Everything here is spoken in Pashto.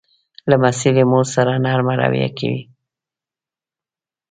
لمسی له مور سره نرمه رویه کوي.